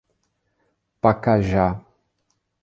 Pacajá